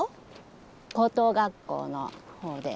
高等学校の方で。